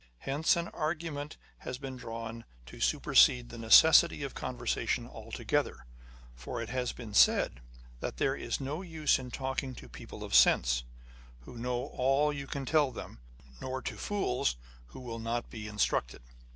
Hence an argument has been drawn to supersede the necessity of conversation altogether ; for it has been said, that there is no use in talking to people of sense, who know all that you can tell them, nor to fools, who will not be instructed.